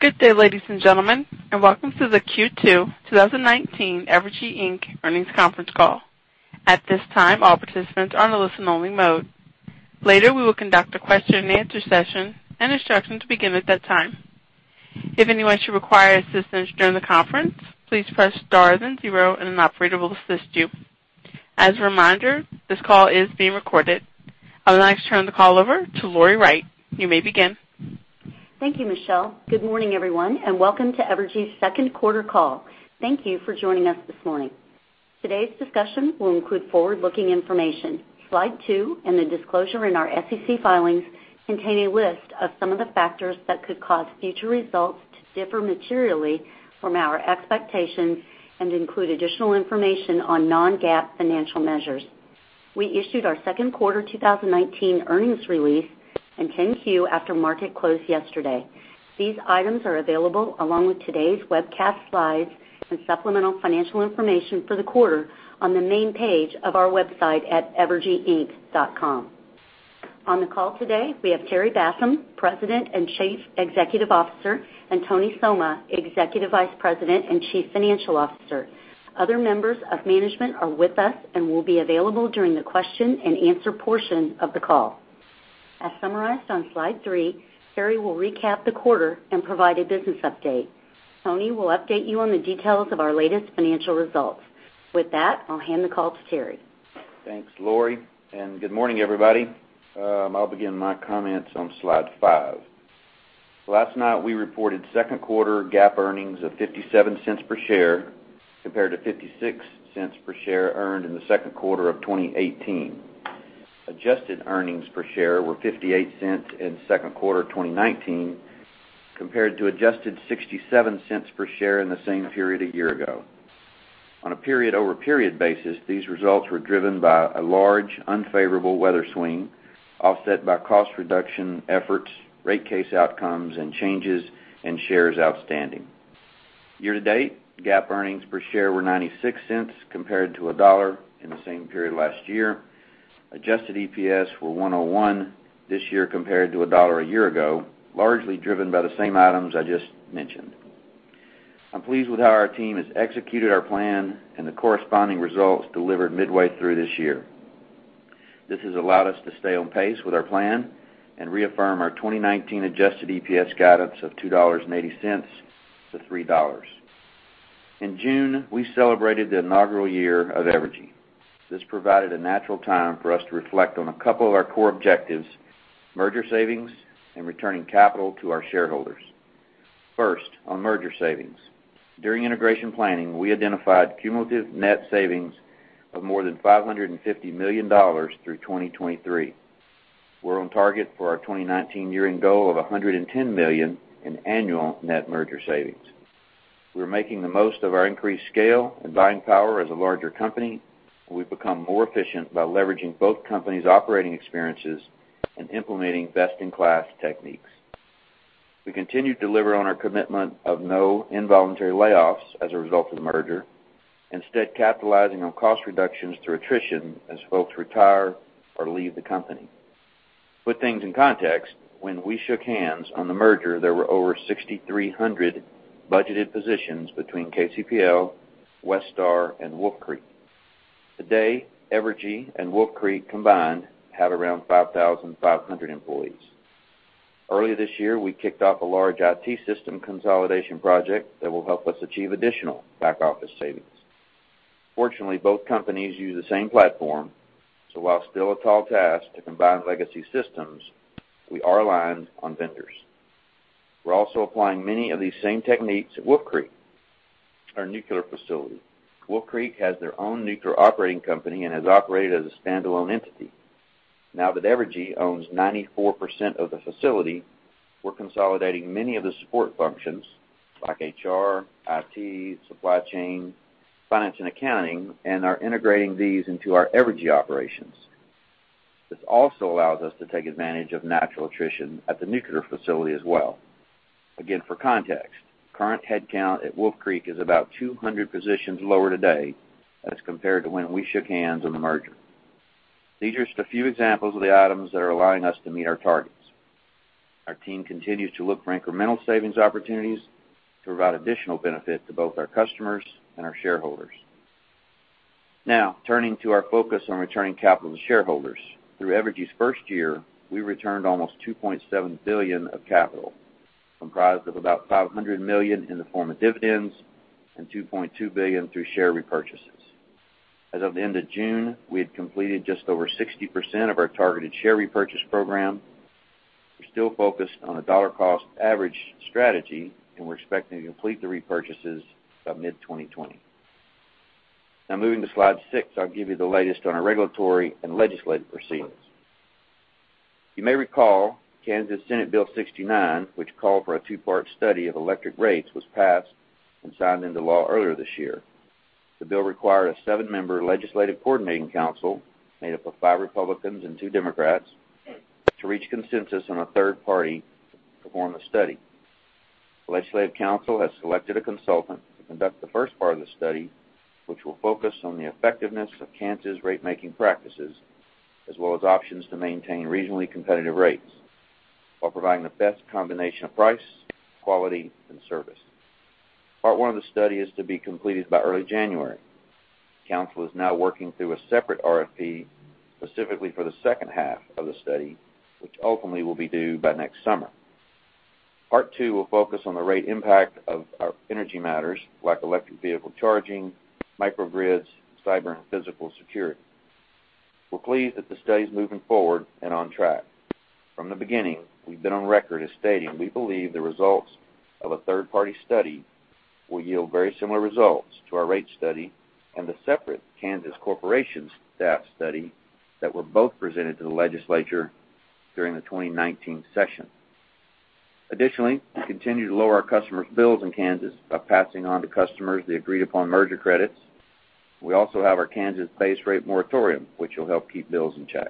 Good day, ladies and gentlemen, and welcome to the Q2 2019 Evergy, Inc. earnings conference call. At this time, all participants are on a listen-only mode. Later, we will conduct a question and answer session and instruction to begin at that time. If anyone should require assistance during the conference, please press star then zero, and an operator will assist you. As a reminder, this call is being recorded. I would like to turn the call over to Lori Wright. You may begin. Thank you, Michelle. Good morning, everyone, and welcome to Evergy's second quarter call. Thank you for joining us this morning. Today's discussion will include forward-looking information. Slide two and the disclosure in our SEC filings contain a list of some of the factors that could cause future results to differ materially from our expectations and include additional information on non-GAAP financial measures. We issued our second quarter 2019 earnings release and 10-Q after market close yesterday. These items are available along with today's webcast slides and supplemental financial information for the quarter on the main page of our website at evergyinc.com. On the call today, we have Terry Bassham, President and Chief Executive Officer, and Tony Somma, Executive Vice President and Chief Financial Officer. Other members of management are with us and will be available during the question and answer portion of the call. As summarized on slide three, Terry will recap the quarter and provide a business update. Tony will update you on the details of our latest financial results. With that, I'll hand the call to Terry. Thanks, Lori, and good morning, everybody. I'll begin my comments on slide five. Last night, we reported second quarter GAAP earnings of $0.57 per share compared to $0.56 per share earned in the second quarter of 2018. Adjusted earnings per share were $0.58 in second quarter 2019, compared to adjusted $0.67 per share in the same period a year ago. On a period-over-period basis, these results were driven by a large unfavorable weather swing, offset by cost reduction efforts, rate case outcomes, and changes in shares outstanding. Year-to-date, GAAP earnings per share were $0.96 compared to $1 in the same period last year. Adjusted EPS were $1.01 this year compared to $1 a year ago, largely driven by the same items I just mentioned. I'm pleased with how our team has executed our plan and the corresponding results delivered midway through this year. This has allowed us to stay on pace with our plan and reaffirm our 2019 adjusted EPS guidance of $2.80 to $3. In June, we celebrated the inaugural year of Evergy. This provided a natural time for us to reflect on a couple of our core objectives, merger savings and returning capital to our shareholders. First, on merger savings. During integration planning, we identified cumulative net savings of more than $550 million through 2023. We're on target for our 2019 year-end goal of $110 million in annual net merger savings. We're making the most of our increased scale and buying power as a larger company, and we've become more efficient by leveraging both companies' operating experiences and implementing best-in-class techniques. We continue to deliver on our commitment of no involuntary layoffs as a result of the merger. Capitalizing on cost reductions through attrition as folks retire or leave the company. To put things in context, when we shook hands on the merger, there were over 6,300 budgeted positions between KCP&L, Westar, and Wolf Creek. Today, Evergy and Wolf Creek combined have around 5,500 employees. Early this year, we kicked off a large IT system consolidation project that will help us achieve additional back-office savings. Fortunately, both companies use the same platform, while still a tall task to combine legacy systems, we are aligned on vendors. We're also applying many of these same techniques at Wolf Creek, our nuclear facility. Wolf Creek has their own nuclear operating company and has operated as a standalone entity. Now that Evergy owns 94% of the facility, we're consolidating many of the support functions like HR, IT, supply chain, finance and accounting, and are integrating these into our Evergy operations. This also allows us to take advantage of natural attrition at the nuclear facility as well. For context, current headcount at Wolf Creek is about 200 positions lower today as compared to when we shook hands on the merger. These are just a few examples of the items that are allowing us to meet our targets. Our team continues to look for incremental savings opportunities to provide additional benefit to both our customers and our shareholders. Turning to our focus on returning capital to shareholders. Through Evergy's first year, we returned almost $2.7 billion of capital, comprised of about $500 million in the form of dividends and $2.2 billion through share repurchases. As of the end of June, we had completed just over 60% of our targeted share repurchase program. We're still focused on a dollar cost average strategy, we're expecting to complete the repurchases by mid-2020. Moving to slide six, I'll give you the latest on our regulatory and legislative proceedings. You may recall Kansas Senate Bill 69, which called for a 2-part study of electric rates, was passed and signed into law earlier this year. The bill required a 7-member legislative coordinating council, made up of 5 Republicans and 2 Democrats, to reach consensus on a third party to perform the study. The legislative council has selected a consultant to conduct the first part of the study, which will focus on the effectiveness of Kansas rate-making practices. As well as options to maintain reasonably competitive rates while providing the best combination of price, quality, and service. Part one of the study is to be completed by early January. Council is now working through a separate RFP, specifically for the second half of the study, which ultimately will be due by next summer. Part two will focus on the rate impact of our energy matters, like electric vehicle charging, microgrids, cyber and physical security. We're pleased that the study's moving forward and on track. From the beginning, we've been on record as stating we believe the results of a third-party study will yield very similar results to our rate study and the separate Kansas Corporation Commission staff study that were both presented to the legislature during the 2019 session. Additionally, we continue to lower our customers' bills in Kansas by passing on to customers the agreed-upon merger credits. We also have our Kansas base rate moratorium, which will help keep bills in check.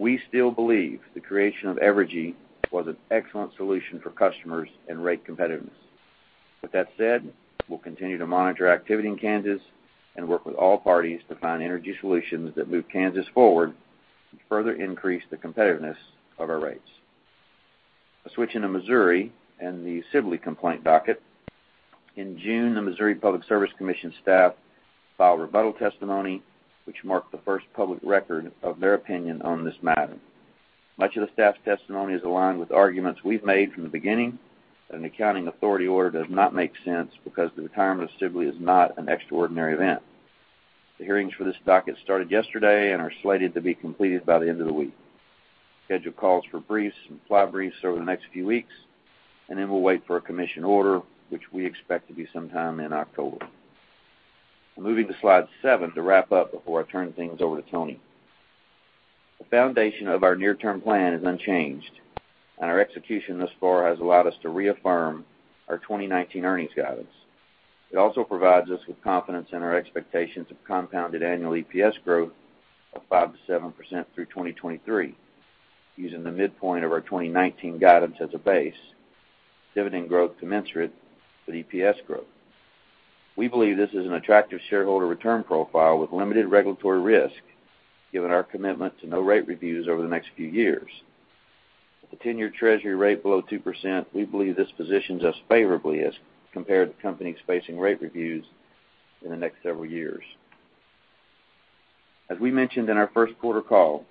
We still believe the creation of Evergy was an excellent solution for customers and rate competitiveness. With that said, we'll continue to monitor activity in Kansas and work with all parties to find energy solutions that move Kansas forward to further increase the competitiveness of our rates. Let's switch into Missouri and the Sibley complaint docket. In June, the Missouri Public Service Commission staff filed rebuttal testimony, which marked the first public record of their opinion on this matter. Much of the staff's testimony is aligned with arguments we've made from the beginning that an accounting authority order does not make sense because the retirement of Sibley is not an extraordinary event. The hearings for this docket started yesterday and are slated to be completed by the end of the week. Schedule calls for briefs and reply briefs over the next few weeks, and then we'll wait for a commission order, which we expect to be sometime in October. I'm moving to slide seven to wrap up before I turn things over to Tony. The foundation of our near-term plan is unchanged, and our execution thus far has allowed us to reaffirm our 2019 earnings guidance. It also provides us with confidence in our expectations of compounded annual EPS growth of 5% to 7% through 2023, using the midpoint of our 2019 guidance as a base, dividend growth commensurate with EPS growth. We believe this is an attractive shareholder return profile with limited regulatory risk, given our commitment to no rate reviews over the next few years. With the ten-year treasury rate below 2%, we believe this positions us favorably as compared to companies facing rate reviews in the next several years. As we mentioned in our first quarter call,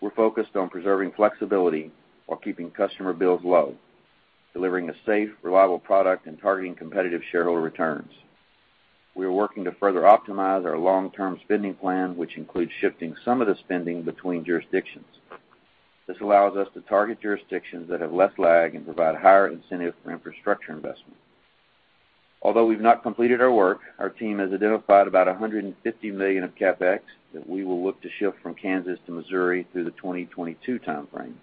we're focused on preserving flexibility while keeping customer bills low, delivering a safe, reliable product, and targeting competitive shareholder returns. We are working to further optimize our long-term spending plan, which includes shifting some of the spending between jurisdictions. This allows us to target jurisdictions that have less lag and provide higher incentive for infrastructure investment. Although we've not completed our work, our team has identified about $150 million of CapEx that we will look to shift from Kansas to Missouri through the 2022 timeframe.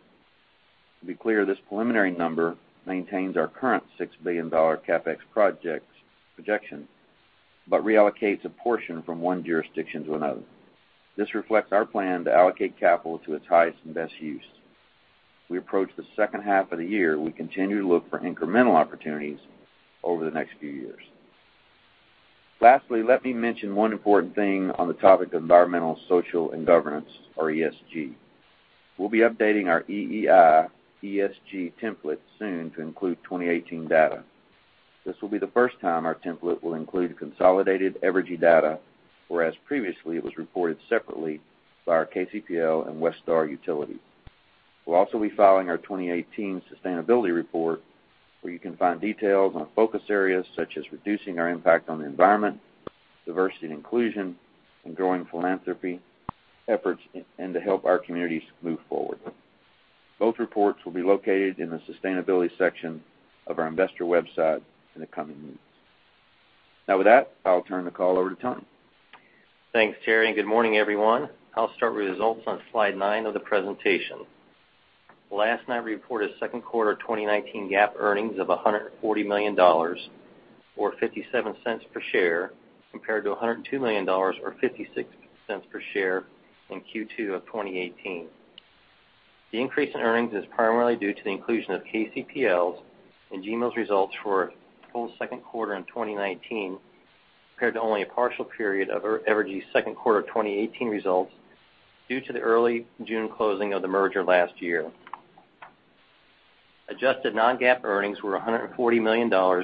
To be clear, this preliminary number maintains our current $6 billion CapEx projection, but reallocates a portion from one jurisdiction to another. This reflects our plan to allocate capital to its highest and best use. As we approach the second half of the year, we continue to look for incremental opportunities over the next few years. Lastly, let me mention one important thing on the topic of environmental, social, and governance, or ESG. We'll be updating our EEI ESG template soon to include 2018 data. This will be the first time our template will include consolidated Evergy data, whereas previously it was reported separately by our KCP&L and Westar utilities. We'll also be filing our 2018 sustainability report, where you can find details on focus areas such as reducing our impact on the environment, diversity and inclusion, and growing philanthropy efforts and to help our communities move forward. Both reports will be located in the sustainability section of our investor website in the coming weeks. Now with that, I'll turn the call over to Tony. Thanks, Terry, and good morning, everyone. I'll start with results on slide nine of the presentation. Last night reported second quarter 2019 GAAP earnings of $140 million, or $0.57 per share, compared to $102 million or $0.56 per share in Q2 of 2018. The increase in earnings is primarily due to the inclusion of KCP&L's and GMO's results for a full second quarter in 2019, compared to only a partial period of Evergy's second quarter 2018 results due to the early June closing of the merger last year. Adjusted non-GAAP earnings were $140 million, or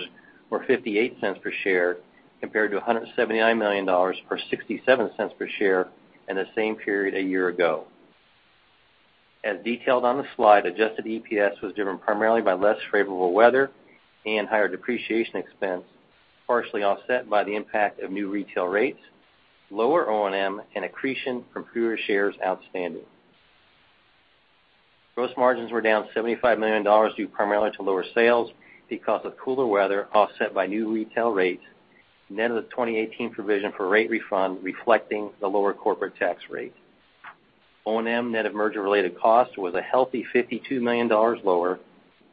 $0.58 per share, compared to $179 million or $0.67 per share in the same period a year ago. As detailed on the slide, adjusted EPS was driven primarily by less favorable weather and higher depreciation expense, partially offset by the impact of new retail rates, lower O&M, and accretion from fewer shares outstanding. Gross margins were down $75 million due primarily to lower sales because of cooler weather offset by new retail rates, the 2018 provision for rate refund reflecting the lower corporate tax rate. O&M net of merger-related costs was a healthy $52 million lower,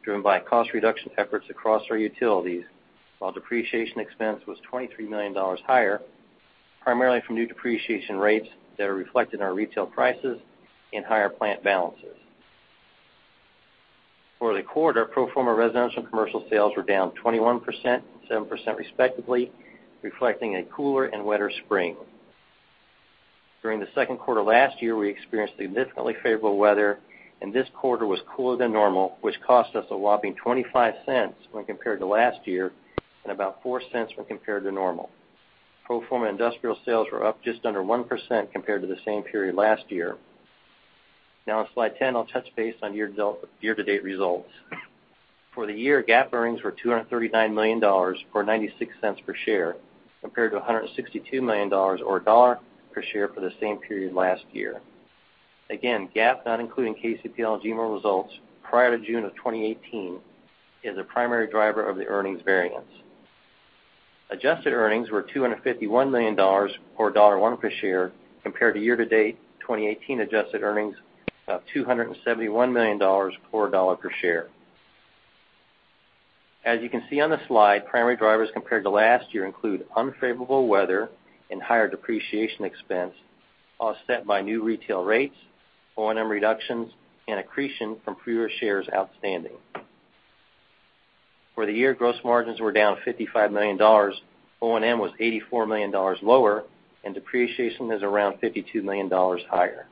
driven by cost reduction efforts across our utilities, while depreciation expense was $23 million higher, primarily from new depreciation rates that are reflected in our retail prices and higher plant balances. For the quarter, pro forma residence and commercial sales were down 21%, 7% respectively, reflecting a cooler and wetter spring. During the second quarter last year, we experienced significantly favorable weather, and this quarter was cooler than normal, which cost us a whopping $0.25 when compared to last year, and about $0.04 when compared to normal. Pro forma industrial sales were up just under 1% compared to the same period last year. On slide 10, I'll touch base on year-to-date results. For the year, GAAP earnings were $239 million, or $0.96 per share, compared to $162 million or $1.00 per share for the same period last year. GAAP, not including KCP&L and GMO results prior to June of 2018, is a primary driver of the earnings variance. Adjusted earnings were $251 million, or $1.01 per share, compared to year-to-date 2018 adjusted earnings of $271 million or $1.00 per share. As you can see on the slide, primary drivers compared to last year include unfavorable weather and higher depreciation expense, offset by new retail rates, O&M reductions, and accretion from fewer shares outstanding. For the year, gross margins were down $55 million, O&M was $84 million lower, depreciation is around $52 million higher.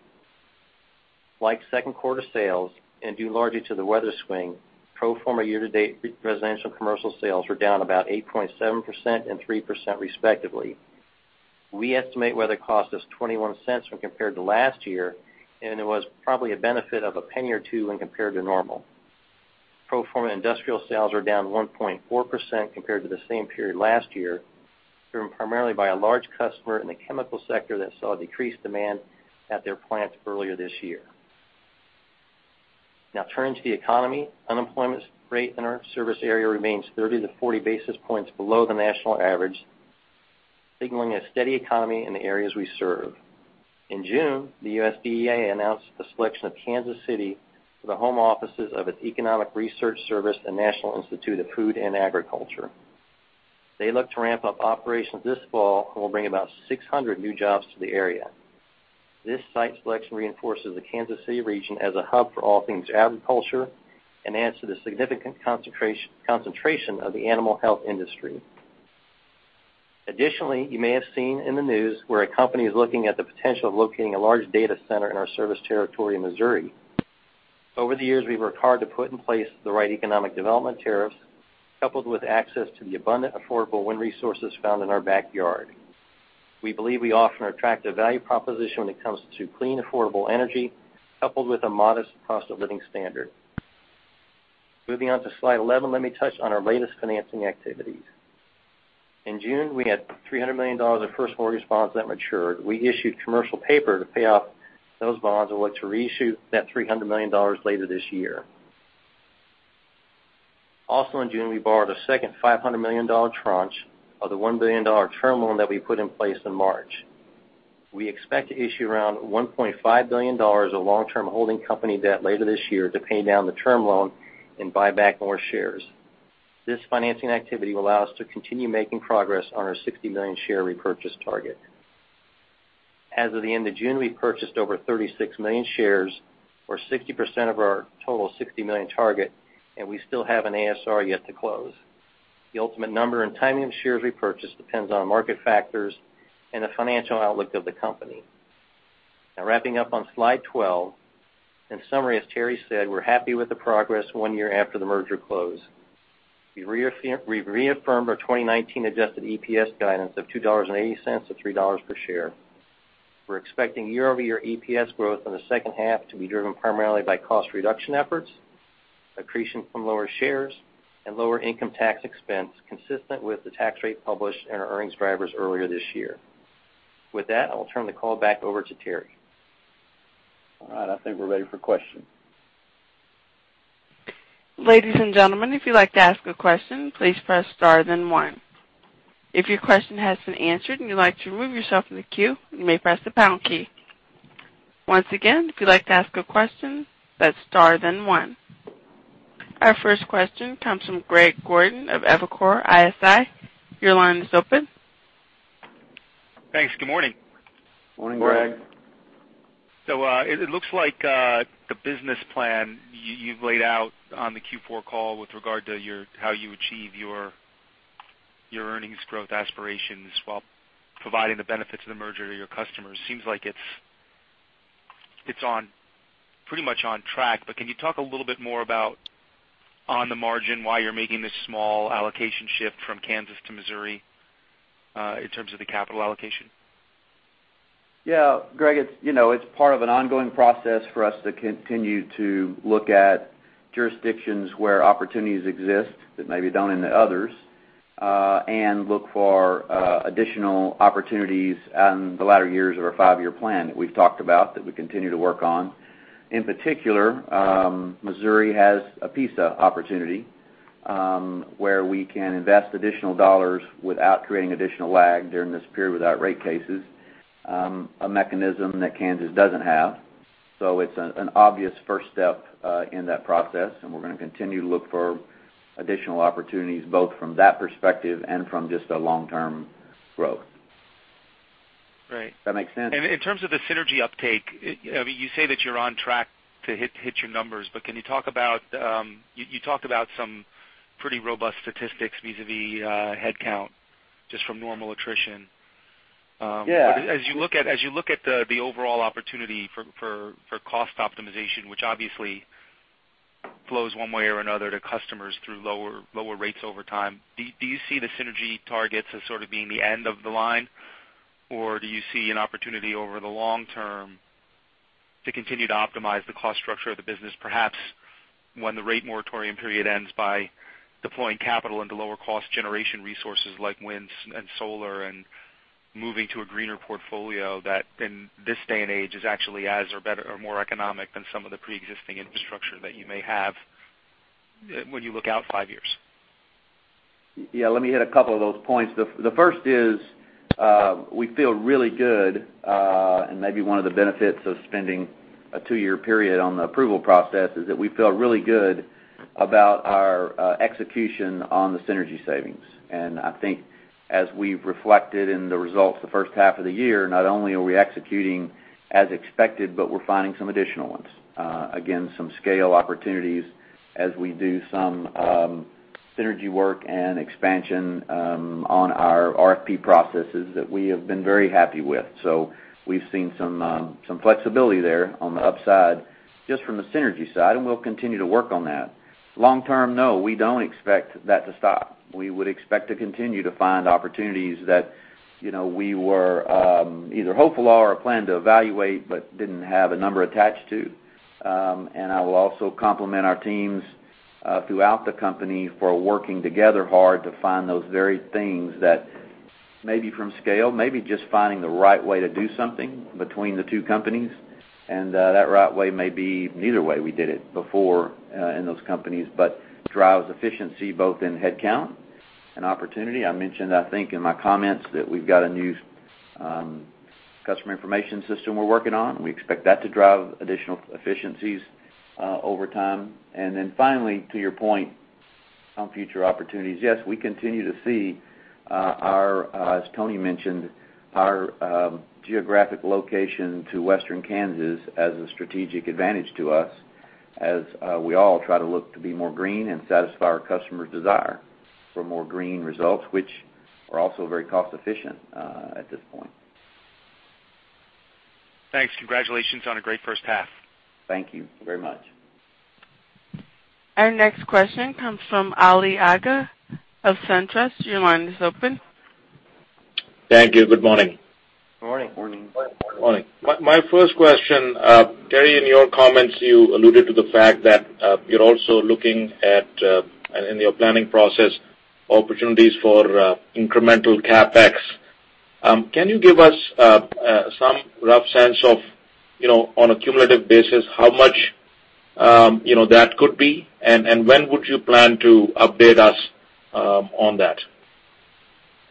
Like second quarter sales, due largely to the weather swing, pro forma year-to-date residential commercial sales were down about 8.7% and 3% respectively. We estimate weather cost us $0.21 when compared to last year, it was probably a benefit of $0.01 or $0.02 when compared to normal. Pro forma industrial sales are down 1.4% compared to the same period last year, driven primarily by a large customer in the chemical sector that saw decreased demand at their plant earlier this year. Now turning to the economy. Unemployment rate in our service area remains 30-40 basis points below the national average, signaling a steady economy in the areas we serve. In June, the USDA announced the selection of Kansas City for the home offices of its Economic Research Service and National Institute of Food and Agriculture. They look to ramp up operations this fall and will bring about 600 new jobs to the area. This site selection reinforces the Kansas City region as a hub for all things agriculture and adds to the significant concentration of the animal health industry. Additionally, you may have seen in the news where a company is looking at the potential of locating a large data center in our service territory in Missouri. Over the years, we've worked hard to put in place the right economic development tariffs, coupled with access to the abundant, affordable wind resources found in our backyard. We believe we offer an attractive value proposition when it comes to clean, affordable energy, coupled with a modest cost of living standard. Moving on to slide 11, let me touch on our latest financing activities. In June, we had $300 million of first mortgage bonds that matured. We issued commercial paper to pay off those bonds and look to reissue that $300 million later this year. Also in June, we borrowed a second $500 million tranche of the $1 billion term loan that we put in place in March. We expect to issue around $1.5 billion of long-term holding company debt later this year to pay down the term loan and buy back more shares. This financing activity will allow us to continue making progress on our 60 million share repurchase target. As of the end of June, we purchased over 36 million shares, or 60% of our total 60 million target, and we still have an ASR yet to close. The ultimate number and timing of shares repurchase depends on market factors and the financial outlook of the company. Wrapping up on slide 12. In summary, as Terry said, we're happy with the progress one year after the merger close. We've reaffirmed our 2019 adjusted EPS guidance of $2.80-$3 per share. We're expecting year-over-year EPS growth in the second half to be driven primarily by cost reduction efforts, accretion from lower shares, and lower income tax expense consistent with the tax rate published in our earnings drivers earlier this year. I'll turn the call back over to Terry. All right. I think we're ready for questions. Ladies and gentlemen, if you'd like to ask a question, please press star then one. If your question has been answered and you'd like to remove yourself from the queue, you may press the pound key. Once again, if you'd like to ask a question, that's star then one. Our first question comes from Greg Gordon of Evercore ISI. Your line is open. Thanks. Good morning. Morning, Greg. Morning. It looks like the business plan you've laid out on the Q4 call with regard to how you achieve your earnings growth aspirations while providing the benefits of the merger to your customers. Seems like it's pretty much on track. Can you talk a little bit more about on the margin, why you're making this small allocation shift from Kansas to Missouri, in terms of the capital allocation? Yeah. Greg, it's part of an ongoing process for us to continue to look at jurisdictions where opportunities exist that maybe don't in the others, and look for additional opportunities in the latter years of our five-year plan that we've talked about, that we continue to work on. In particular, Missouri has a PISA opportunity, where we can invest additional dollars without creating additional lag during this period without rate cases, a mechanism that Kansas doesn't have. It's an obvious first step in that process, and we're going to continue to look for additional opportunities, both from that perspective and from just a long-term growth. Right. Does that make sense? In terms of the synergy uptake, you say that you're on track to hit your numbers. Can you talk about some pretty robust statistics vis-a-vis headcount, just from normal attrition? Yeah. As you look at the overall opportunity for cost optimization, which obviously flows one way or another to customers through lower rates over time, do you see the synergy targets as sort of being the end of the line? Do you see an opportunity over the long term to continue to optimize the cost structure of the business, perhaps when the rate moratorium period ends by deploying capital into lower cost generation resources like wind and solar, and moving to a greener portfolio that, in this day and age, is actually as or more economic than some of the preexisting infrastructure that you may have when you look out five years? Yeah, let me hit a couple of those points. The first is we feel really good, and maybe one of the benefits of spending a 2-year period on the approval process is that we feel really good about our execution on the synergy savings. I think as we've reflected in the results the first half of the year, not only are we executing as expected, but we're finding some additional ones. Again, some scale opportunities as we do some synergy work and expansion on our RFP processes that we have been very happy with. We've seen some flexibility there on the upside, just from the synergy side, and we'll continue to work on that. Long term, no, we don't expect that to stop. We would expect to continue to find opportunities that we were either hopeful of or planned to evaluate but didn't have a number attached to. I will also compliment our teams throughout the company for working together hard to find those very things that may be from scale, may be just finding the right way to do something between the two companies. That right way may be neither way we did it before in those companies, but drives efficiency both in headcount and opportunity. I mentioned, I think in my comments, that we've got a new customer information system we're working on. We expect that to drive additional efficiencies over time. Finally, to your point on future opportunities, yes, we continue to see, as Tony mentioned, our geographic location to western Kansas as a strategic advantage to us as we all try to look to be more green and satisfy our customers' desire for more green results, which are also very cost efficient at this point. Thanks. Congratulations on a great first half. Thank you very much. Our next question comes from Ali Agha of SunTrust. Your line is open. Thank you. Good morning. Good morning. Morning. Morning. My first question, Terry, in your comments, you alluded to the fact that you're also looking at, in your planning process, opportunities for incremental CapEx. Can you give us some rough sense of, on a cumulative basis, how much that could be, and when would you plan to update us on that?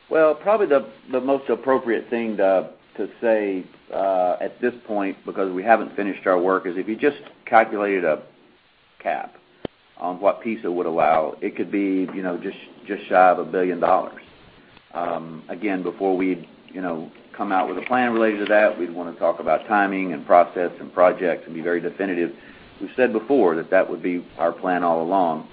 Probably the most appropriate thing to say at this point, because we haven't finished our work, is if you just calculated a cap on what PISA would allow, it could be just shy of $1 billion. Again, before we'd come out with a plan related to that, we'd want to talk about timing and process and projects and be very definitive. We've said before that that would be our plan all along.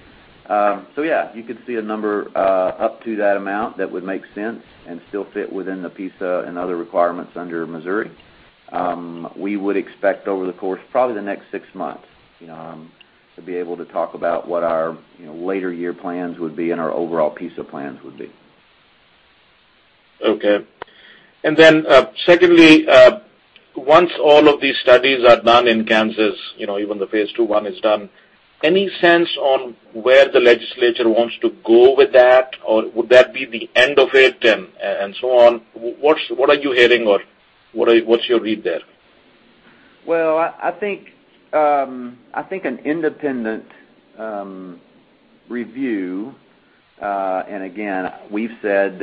Yeah, you could see a number up to that amount that would make sense and still fit within the PISA and other requirements under Missouri. We would expect over the course, probably the next six months, to be able to talk about what our later year plans would be and our overall PISA plans would be. Okay. Secondly, once all of these studies are done in Kansas, even the phase two is done, any sense on where the legislature wants to go with that? Would that be the end of it and so on? What are you hearing or what's your read there? Well, I think an independent review, and again, we've said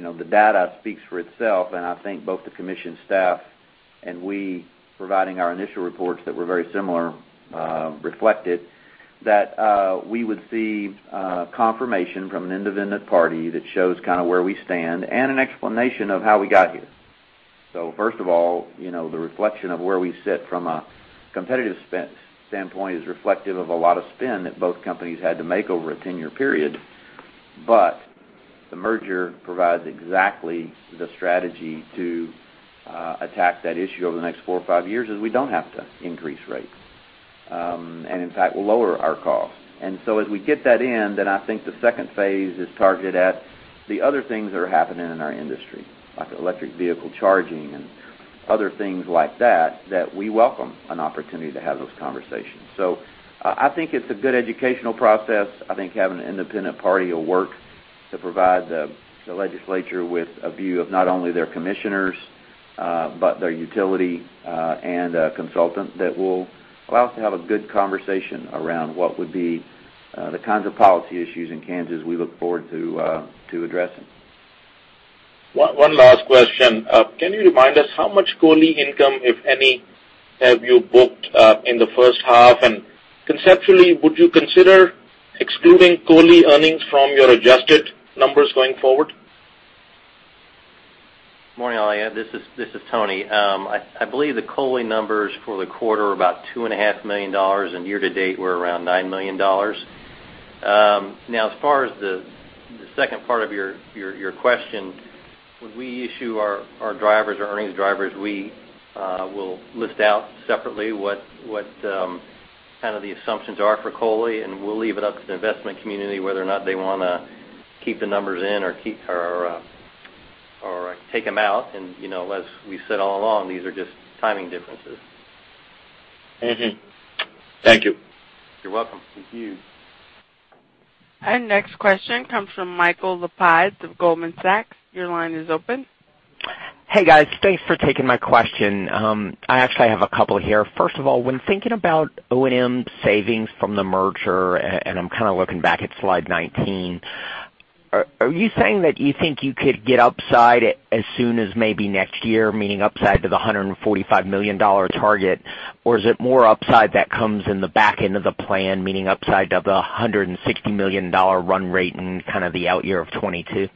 the data speaks for itself, and I think both the commission staff and we providing our initial reports that were very similar, reflected that we would see confirmation from an independent party that shows where we stand and an explanation of how we got here. First of all, the reflection of where we sit from a competitive standpoint is reflective of a lot of spin that both companies had to make over a 10-year period. The merger provides exactly the strategy to attack that issue over the next four or five years, as we don't have to increase rates. In fact, we'll lower our costs. As we get that in, I think the second phase is targeted at the other things that are happening in our industry, like electric vehicle charging and other things like that we welcome an opportunity to have those conversations. I think it's a good educational process. I think having an independent party will work to provide the legislature with a view of not only their commissioners, but their utility and a consultant that will allow us to have a good conversation around what would be the kinds of policy issues in Kansas we look forward to addressing. One last question. Can you remind us how much COLI income, if any, have you booked in the first half? Conceptually, would you consider excluding COLI earnings from your adjusted numbers going forward? Morning, Ali. This is Tony. I believe the COLI numbers for the quarter are about $2.5 million, and year to date, we're around $9 million. Now, as far as the second part of your question, when we issue our drivers or earnings drivers, we will list out separately what the assumptions are for COLI, and we'll leave it up to the investment community whether or not they want to keep the numbers in or take them out. As we've said all along, these are just timing differences. Mm-hmm. Thank you. You're welcome. Thank you. Our next question comes from Michael Lapides of Goldman Sachs. Your line is open. Hey, guys. Thanks for taking my question. I actually have a couple here. First of all, when thinking about O&M savings from the merger, and I'm kind of looking back at slide 19, are you saying that you think you could get upside as soon as maybe next year, meaning upside to the $145 million target? Is it more upside that comes in the back end of the plan, meaning upside of the $160 million run rate in kind of the out year of 2022?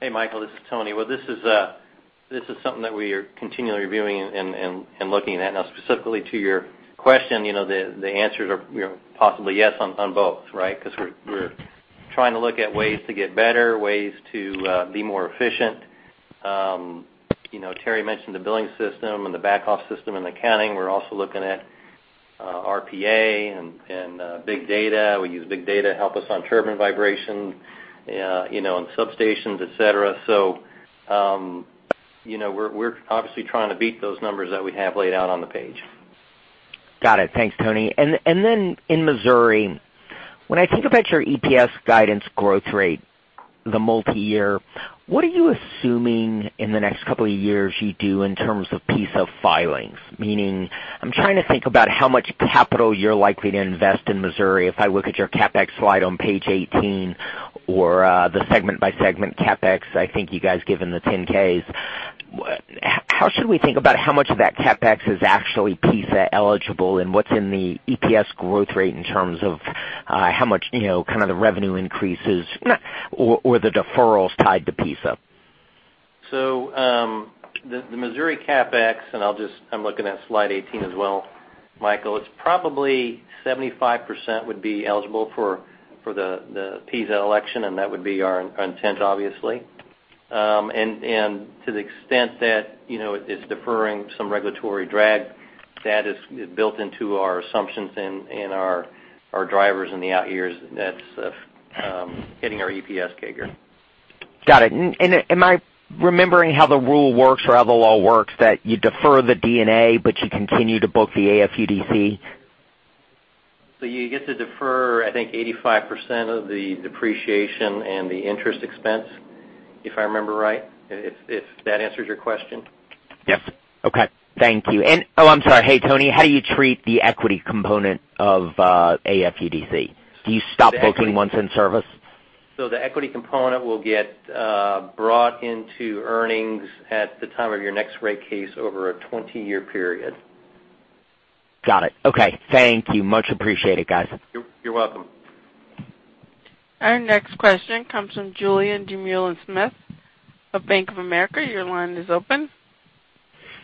Hey, Michael, this is Tony. Well, this is something that we are continually reviewing and looking at. Specifically to your question, the answers are possibly yes on both, right? We're trying to look at ways to get better, ways to be more efficient. Terry mentioned the billing system and the back office system and accounting. We're also looking at RPA and big data. We use big data to help us on turbine vibration, on substations, et cetera. We're obviously trying to beat those numbers that we have laid out on the page. Got it. Thanks, Tony. In Missouri, when I think about your EPS guidance growth rate, the multi-year, what are you assuming in the next couple of years you do in terms of PISA filings? Meaning, I'm trying to think about how much capital you're likely to invest in Missouri if I look at your CapEx slide on page 18 or the segment-by-segment CapEx I think you guys give in the 10-Ks. How should we think about how much of that CapEx is actually PISA eligible, and what's in the EPS growth rate in terms of how much the revenue increases or the deferrals tied to PISA? The Missouri CapEx, and I am looking at slide 18 as well, Michael, it is probably 75% would be eligible for the PISA election, and that would be our intent, obviously. To the extent that it is deferring some regulatory drag, that is built into our assumptions and our drivers in the out years, that is hitting our EPS CAGR. Got it. Am I remembering how the rule works or how the law works that you defer the D&A, but you continue to book the AFUDC? You get to defer, I think 85% of the depreciation and the interest expense, if I remember right. If that answers your question. Yes. Okay. Thank you. Oh, I'm sorry. Hey, Tony, how do you treat the equity component of AFUDC? Do you stop booking once in service? The equity component will get brought into earnings at the time of your next rate case over a 20-year period. Got it. Okay. Thank you. Much appreciated, guys. You're welcome. Our next question comes from Julien Dumoulin-Smith of Bank of America. Your line is open.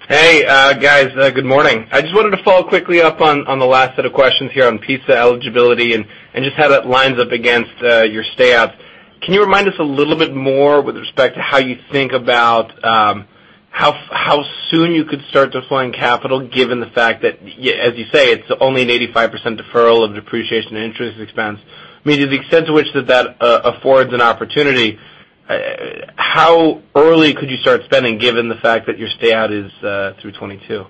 Hey, guys. Good morning. I just wanted to follow quickly up on the last set of questions here on PISA eligibility and just how that lines up against your stay out. Can you remind us a little bit more with respect to how you think about how soon you could start deploying capital, given the fact that, as you say, it's only an 85% deferral of depreciation and interest expense? I mean, to the extent to which that affords an opportunity, how early could you start spending given the fact that your stay out is through 2022?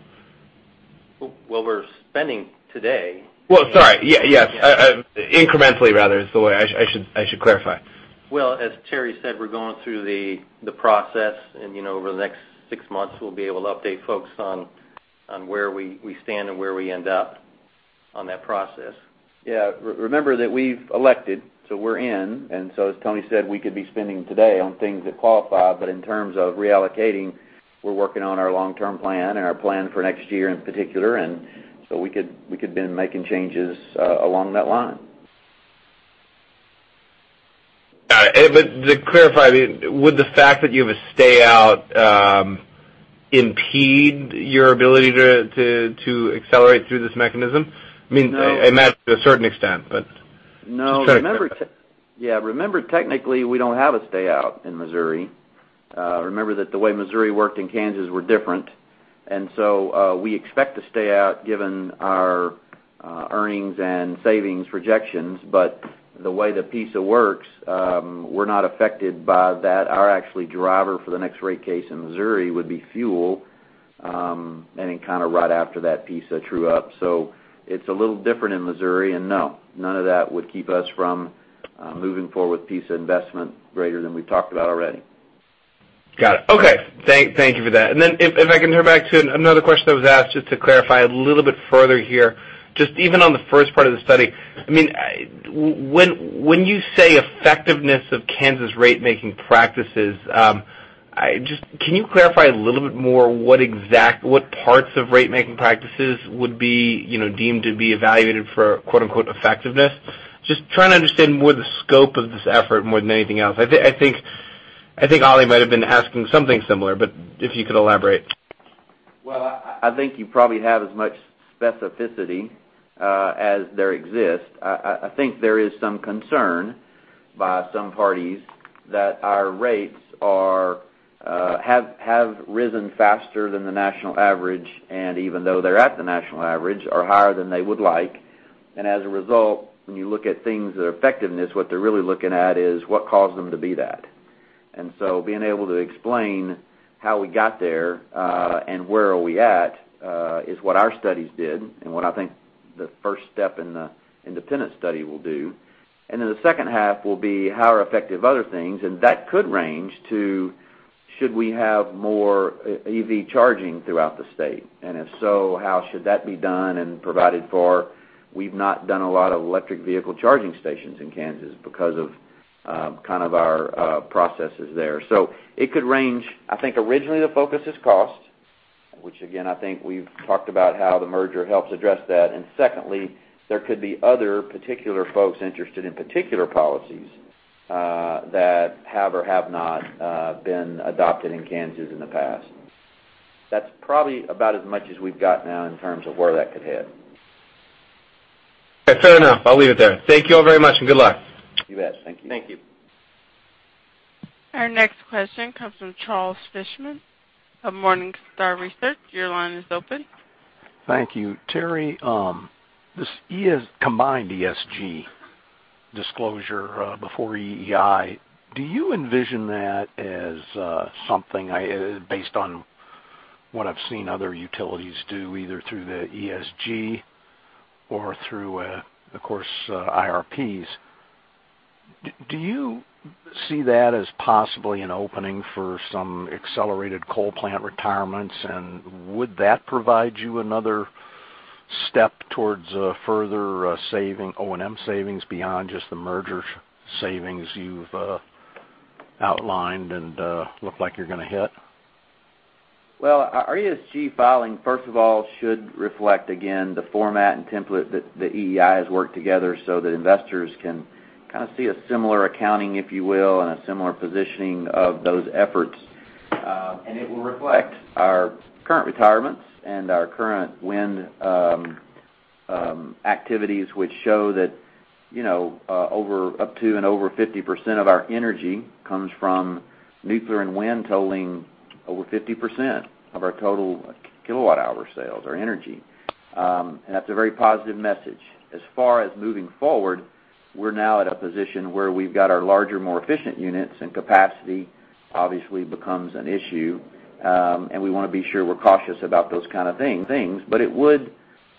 Well, we're spending today. Well, sorry. Yes. Incrementally, rather, I should clarify. Well, as Terry said, we're going through the process, and over the next six months, we'll be able to update folks on where we stand and where we end up on that process. Yeah. Remember that we've elected, so we're in. As Tony said, we could be spending today on things that qualify. In terms of reallocating, we're working on our long-term plan and our plan for next year in particular, and so we could begin making changes along that line. Got it. To clarify, would the fact that you have a stay out impede your ability to accelerate through this mechanism? No I imagine to a certain extent. No. Just trying to clarify. Yeah. Remember, technically, we don't have a stay out in Missouri. Remember that the way Missouri worked and Kansas were different. We expect to stay out given our earnings and savings projections. The way the PISA works, we're not affected by that. Our actually driver for the next rate case in Missouri would be fuel, and then kind of right after that, PISA true up. It's a little different in Missouri, and no, none of that would keep us from moving forward with PISA investment greater than we've talked about already. Got it. Okay. Thank you for that. If I can turn back to another question that was asked, just to clarify a little bit further here, just even on the first part of the study. I mean, when you say effectiveness of Kansas rate-making practices, just can you clarify a little bit more what parts of rate-making practices would be deemed to be evaluated for "effectiveness"? Just trying to understand more the scope of this effort more than anything else. I think Ali might have been asking something similar, if you could elaborate. I think you probably have as much specificity as there exists. I think there is some concern by some parties that our rates have risen faster than the national average, and even though they're at the national average, are higher than they would like. As a result, when you look at things, their effectiveness, what they're really looking at is what caused them to be that. Being able to explain how we got there, and where are we at, is what our studies did, and what I think the first step in the independent study will do. Then the second half will be how effective other things, and that could range to should we have more EV charging throughout the state? If so, how should that be done and provided for? We've not done a lot of electric vehicle charging stations in Kansas because of our processes there. It could range. I think originally the focus is cost, which again, I think we've talked about how the merger helps address that. Secondly, there could be other particular folks interested in particular policies that have or have not been adopted in Kansas in the past. That's probably about as much as we've got now in terms of where that could head. Okay, fair enough. I'll leave it there. Thank you all very much, and good luck. You bet. Thank you. Thank you. Our next question comes from Charles Fishman of Morningstar Research. Your line is open. Thank you. Terry, this combined ESG disclosure before EEI, do you envision that as something, based on what I've seen other utilities do, either through the ESG or through, of course, IRPs? Do you see that as possibly an opening for some accelerated coal plant retirements, and would that provide you another step towards further O&M savings beyond just the merger savings you've outlined and look like you're going to hit? Well, our ESG filing, first of all, should reflect, again, the format and template that the EEI has worked together so that investors can kind of see a similar accounting, if you will, and a similar positioning of those efforts. It will reflect our current retirements and our current wind activities, which show that up to and over 50% of our energy comes from nuclear and wind totaling over 50% of our total kilowatt hour sales, our energy. That's a very positive message. As far as moving forward, we're now at a position where we've got our larger, more efficient units, and capacity obviously becomes an issue. We want to be sure we're cautious about those kind of things. It would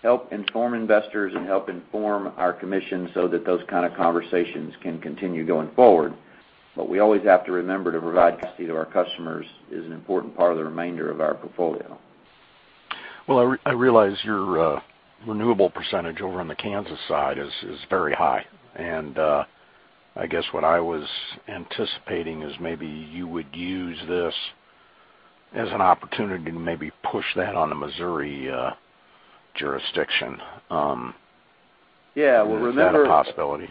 help inform investors and help inform our commission so that those kind of conversations can continue going forward. We always have to remember to provide capacity to our customers is an important part of the remainder of our portfolio. Well, I realize your renewable percentage over on the Kansas side is very high. I guess what I was anticipating is maybe you would use this as an opportunity to maybe push that on the Missouri jurisdiction. Yeah, well, remember-. Is that a possibility?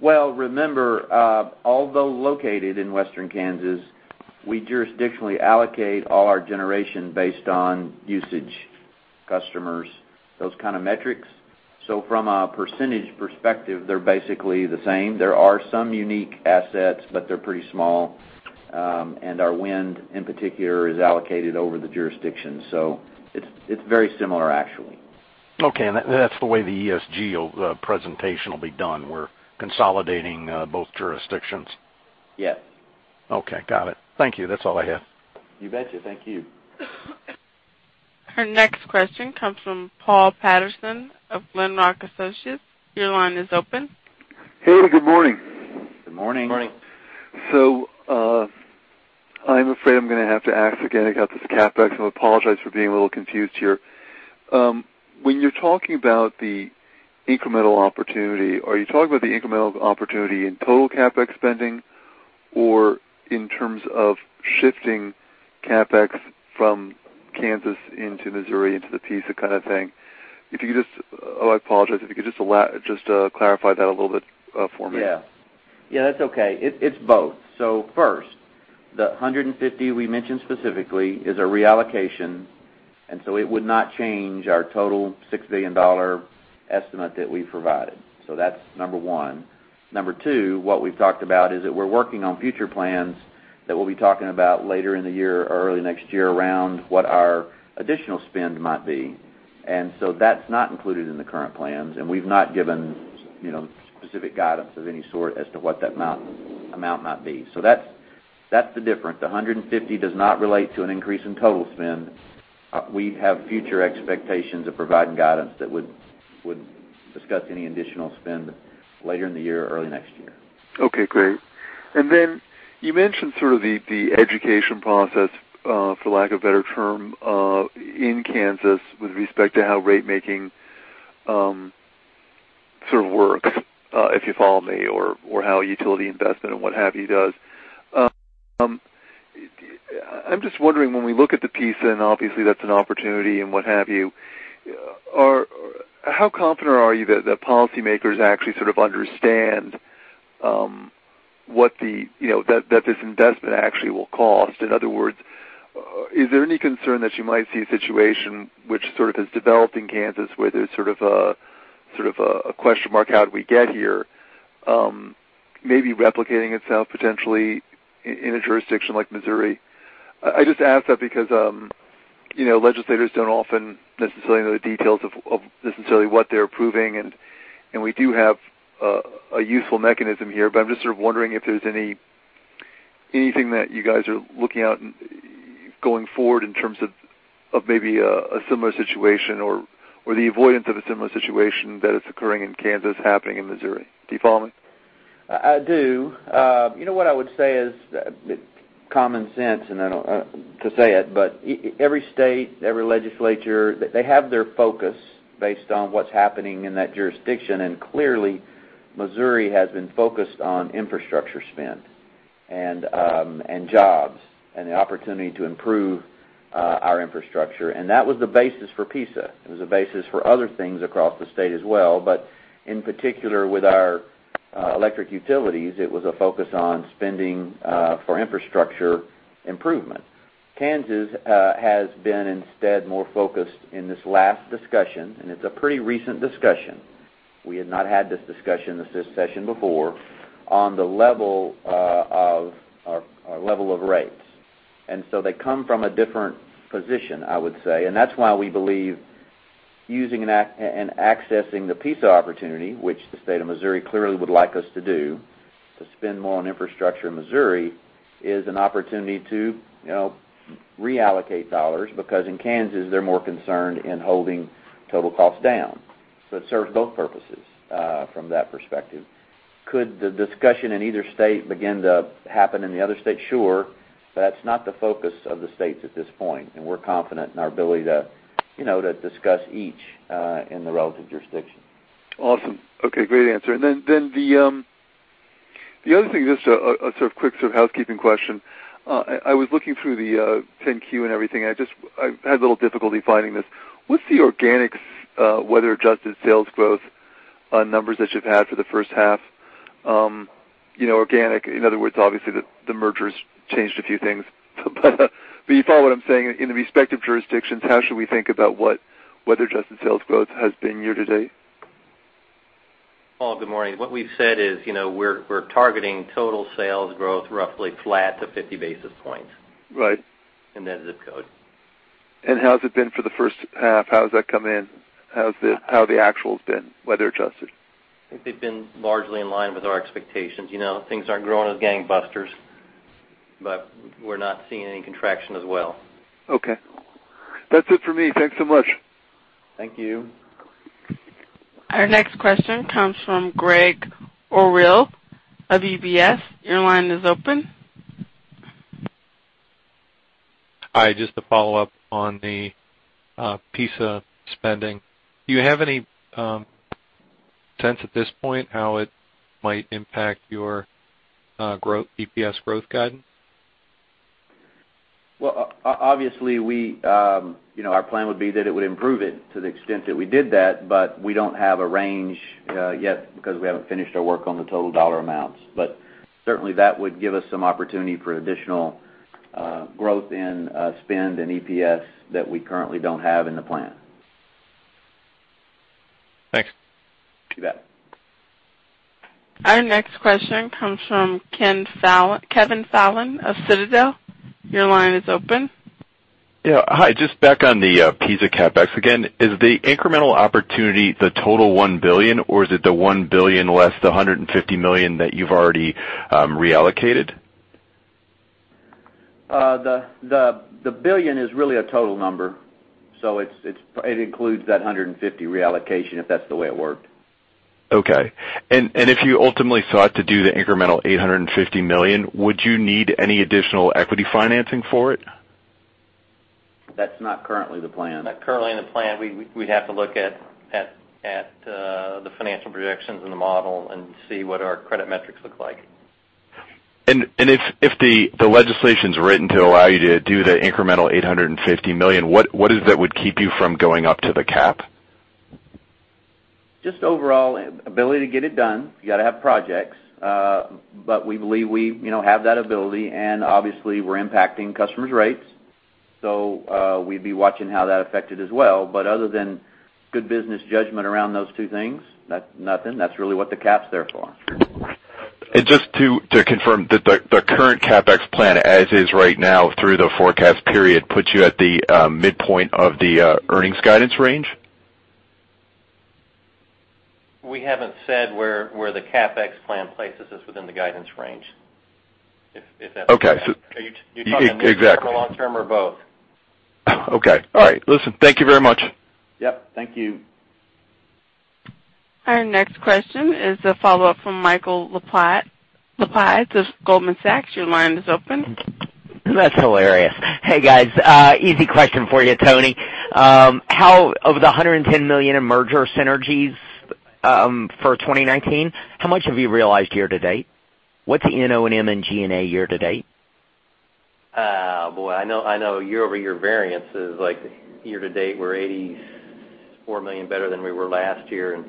Well, remember, although located in Western Kansas, we jurisdictionally allocate all our generation based on usage, customers, those kind of metrics. From a percentage perspective, they're basically the same. There are some unique assets, but they're pretty small. Our wind, in particular, is allocated over the jurisdiction. It's very similar, actually. Okay. That's the way the ESG presentation will be done. We're consolidating both jurisdictions. Yes. Okay, got it. Thank you. That's all I have. You betcha. Thank you. Our next question comes from Paul Patterson of Glenrock Associates. Your line is open. Hey, good morning. Good morning. Morning. I'm afraid I'm going to have to ask again about this CapEx. I apologize for being a little confused here. When you're talking about the incremental opportunity, are you talking about the incremental opportunity in total CapEx spending or in terms of shifting CapEx from Kansas into Missouri into the PISA kind of thing? I apologize if you could just clarify that a little bit for me. That's okay. It's both. First, the 150 we mentioned specifically is a reallocation, and it would not change our total $6 billion estimate that we provided. That's number 1. Number 2, what we've talked about is that we're working on future plans that we'll be talking about later in the year or early next year around what our additional spend might be. That's not included in the current plans, and we've not given specific guidance of any sort as to what that amount might be. That's the difference. The 150 does not relate to an increase in total spend. We have future expectations of providing guidance that would discuss any additional spend later in the year or early next year. Okay, great. Then you mentioned sort of the education process, for lack of a better term, in Kansas with respect to how ratemaking sort of work, if you follow me, or how utility investment and what have you does. I'm just wondering, when we look at the PISA, and obviously that's an opportunity and what have you, how confident are you that policymakers actually sort of understand that this investment actually will cost? In other words, is there any concern that you might see a situation which sort of has developed in Kansas, where there's sort of a question mark, how did we get here, maybe replicating itself potentially in a jurisdiction like Missouri. I just ask that because legislators don't often necessarily know the details of necessarily what they're approving, and we do have a useful mechanism here. I'm just sort of wondering if there's anything that you guys are looking at going forward in terms of maybe a similar situation or the avoidance of a similar situation that is occurring in Kansas happening in Missouri. Do you follow me? I do. What I would say is common sense to say it, every state, every legislature, they have their focus based on what's happening in that jurisdiction. Clearly, Missouri has been focused on infrastructure spend and jobs and the opportunity to improve our infrastructure. That was the basis for PISA. It was the basis for other things across the state as well, but in particular with our electric utilities, it was a focus on spending for infrastructure improvement. Kansas has been instead more focused in this last discussion, and it's a pretty recent discussion. We had not had this discussion this session before on our level of rates. They come from a different position, I would say. That's why we believe using and accessing the PISA opportunity, which the state of Missouri clearly would like us to do to spend more on infrastructure in Missouri, is an opportunity to reallocate dollars, because in Kansas, they're more concerned in holding total costs down. It serves both purposes from that perspective. Could the discussion in either state begin to happen in the other state? Sure. That's not the focus of the states at this point, and we're confident in our ability to discuss each in the relative jurisdiction. Awesome. Okay, great answer. The other thing, just a sort of quick housekeeping question. I was looking through the 10-Q and everything. I had a little difficulty finding this. What's the organic weather-adjusted sales growth numbers that you've had for the first half? Organic, in other words, obviously the merger's changed a few things. You follow what I'm saying. In the respective jurisdictions, how should we think about what weather-adjusted sales growth has been year to date? Paul, good morning. What we've said is we're targeting total sales growth roughly flat to 50 basis points. Right. In that zip code. How has it been for the first half? How has that come in? How have the actuals been, weather adjusted? I think they've been largely in line with our expectations. Things aren't growing as gangbusters, but we're not seeing any contraction as well. Okay. That's it for me. Thanks so much. Thank you. Our next question comes from Gregg Orrill of UBS. Your line is open. Hi. Just to follow up on the PISA spending, do you have any sense at this point how it might impact your EPS growth guidance? Well, obviously, our plan would be that it would improve it to the extent that we did that, but we don't have a range yet because we haven't finished our work on the total dollar amounts. Certainly that would give us some opportunity for additional growth in spend and EPS that we currently don't have in the plan. Thanks. You bet. Our next question comes from Kevin Fallon of Citadel. Your line is open. Yeah. Hi. Just back on the PISA CapEx again. Is the incremental opportunity the total $1 billion, or is it the $1 billion less the $150 million that you've already reallocated? The billion is really a total number, so it includes that $150 reallocation if that's the way it worked. Okay. If you ultimately sought to do the incremental $850 million, would you need any additional equity financing for it? That's not currently the plan. Not currently in the plan. We'd have to look at the financial projections and the model and see what our credit metrics look like. If the legislation's written to allow you to do the incremental $850 million, what is it that would keep you from going up to the cap? Just overall ability to get it done. You got to have projects. We believe we have that ability, and obviously we're impacting customers' rates. We'd be watching how that affected as well. Other than good business judgment around those two things, nothing. That's really what the cap's there for. Just to confirm, the current CapEx plan as is right now through the forecast period puts you at the midpoint of the earnings guidance range? We haven't said where the CapEx plan places us within the guidance range, if that's what you're asking. Okay. Are you talking the near term? Exactly Long term, or both? Okay. All right. Listen, thank you very much. Yep. Thank you. Our next question is a follow-up from Michael Lapides of Goldman Sachs, your line is open. That's hilarious. Hey, guys. Easy question for you, Tony. Of the $110 million in merger synergies for 2019, how much have you realized year to date? What's the non-O&M and G&A year to date? Boy, I know year-over-year variance is year-to-date, we're $84 million better than we were last year and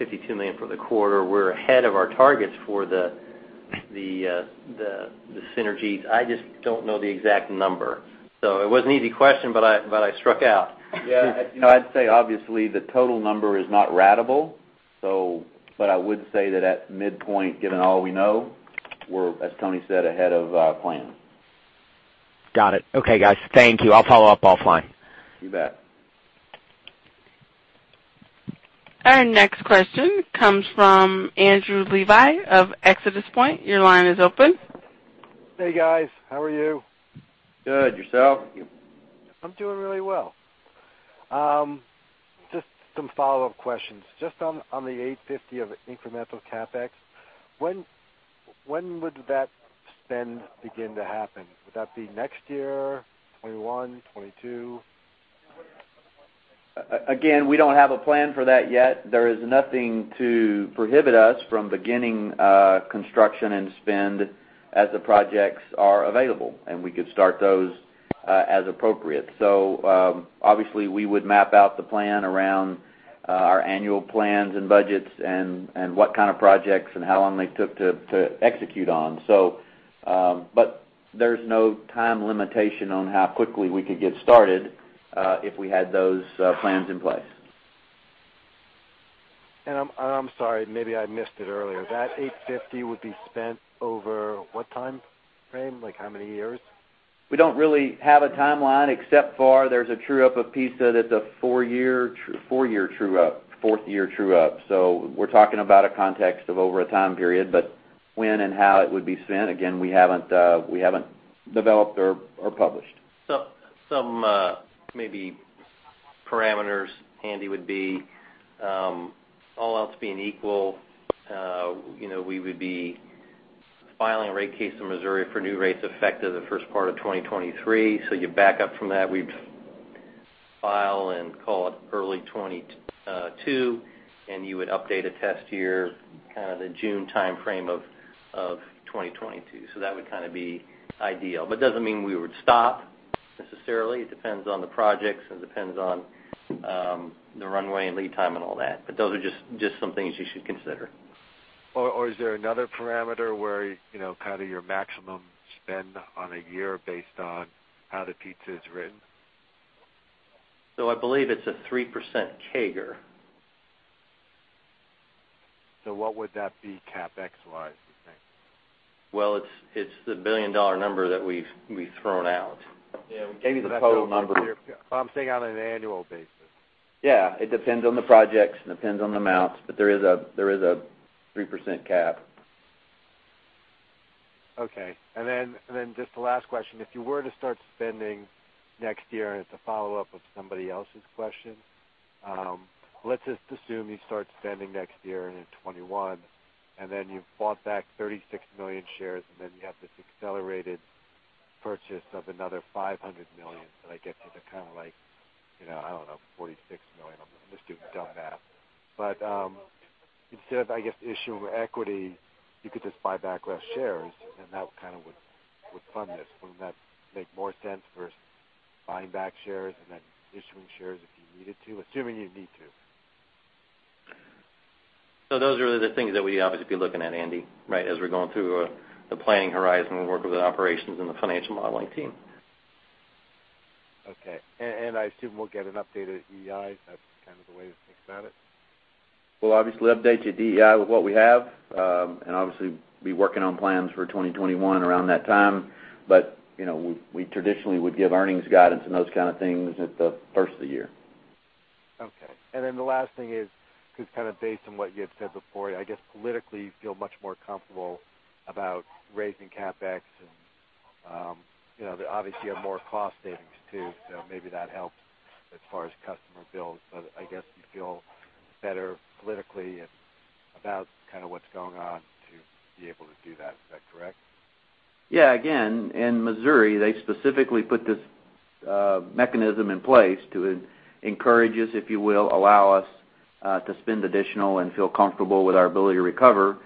$52 million for the quarter. We're ahead of our targets for the synergies. I just don't know the exact number. It was an easy question, but I struck out. Yeah. I'd say obviously the total number is not ratable. I would say that at midpoint, given all we know, we're, as Tony said, ahead of plan. Got it. Okay, guys. Thank you. I'll follow up offline. You bet. Our next question comes from Andrew Levi of ExodusPoint. Your line is open. Hey, guys. How are you? Good. Yourself? I'm doing really well. Just some follow-up questions. Just on the $850 of incremental CapEx, when would that spend begin to happen? Would that be next year, 2021, 2022? Again, we don't have a plan for that yet. There is nothing to prohibit us from beginning construction and spend as the projects are available, and we could start those as appropriate. Obviously, we would map out the plan around our annual plans and budgets and what kind of projects and how long they took to execute on. There's no time limitation on how quickly we could get started if we had those plans in place. I'm sorry, maybe I missed it earlier. That $850 would be spent over what timeframe? Like how many years? We don't really have a timeline except for there's a true-up of PISA that's a four-year true-up, fourth year true-up. We're talking about a context of over a time period, but when and how it would be spent, again, we haven't developed or published. Some maybe parameters, Andy, would be all else being equal, we would be filing a rate case in Missouri for new rates effective the first part of 2023. You back up from that. We'd file in, call it, early 2022, and you would update a test year kind of the June timeframe of 2022. That would kind of be ideal, but it doesn't mean we would stop necessarily. It depends on the projects, and it depends on the runway and lead time and all that. Those are just some things you should consider. Is there another parameter where kind of your maximum spend on a year based on how the PISA is written? I believe it's a 3% CAGR. What would that be CapEx-wise, you think? Well, it's the billion-dollar number that we've thrown out. Yeah, we gave you the total number. I'm saying on an annual basis. Yeah. It depends on the projects and depends on the amounts, but there is a 3% cap. Okay. Just the last question, if you were to start spending next year as a follow-up of somebody else's question, let's just assume you start spending next year and in 2021, and then you've bought back 36 million shares, and then you have this accelerated purchase of another 500 million that I get you to kind of like, I don't know, 46 million. I'm just doing dumb math. Instead of, I guess, issuing equity, you could just buy back less shares, and that kind of would fund this. Wouldn't that make more sense versus buying back shares and then issuing shares if you needed to, assuming you'd need to? Those are the things that we'd obviously be looking at, Andy, right, as we're going through the planning horizon, we work with the operations and the financial modeling team. Okay. I assume we'll get an update at EEI. That's kind of the way to think about it. We'll obviously update you at EEI with what we have, and obviously, be working on plans for 2021 around that time. We traditionally would give earnings guidance and those kind of things at the first of the year. Okay. The last thing is because kind of based on what you had said before, I guess politically you feel much more comfortable about raising CapEx and obviously you have more cost savings, too, so maybe that helps as far as customer bills. I guess you feel better politically about kind of what's going on to be able to do that. Is that correct? Yeah. Again, in Missouri, they specifically put this mechanism in place to encourage us, if you will, allow us to spend additional and feel comfortable with our ability to recover.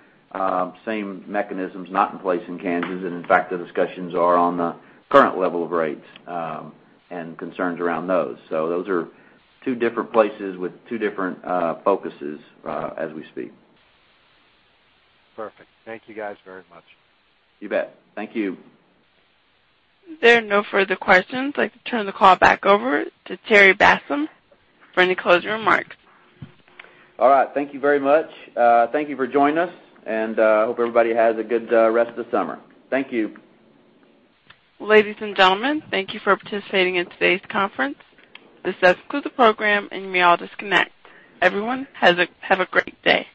Same mechanism's not in place in Kansas. In fact, the discussions are on the current level of rates and concerns around those. Those are two different places with two different focuses as we speak. Perfect. Thank you guys very much. You bet. Thank you. There are no further questions. I'd like to turn the call back over to Terry Bassham for any closing remarks. All right. Thank you very much. Thank you for joining us. Hope everybody has a good rest of the summer. Thank you. Ladies and gentlemen, thank you for participating in today's conference. This does conclude the program, and you may all disconnect. Everyone, have a great day.